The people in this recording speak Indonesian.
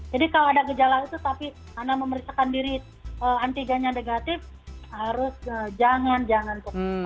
jadi kalau ada gejala itu tapi anda memeriksakan diri antigennya negatif harus jangan jangan